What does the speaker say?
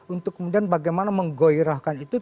untuk kemudian bagaimana menggoirahkan itu